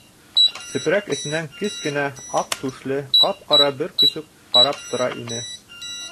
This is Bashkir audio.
Сепрәк эсенән кескенә, аҡ түшле, ҡап-ҡара бер көсөк ҡарап тора ине.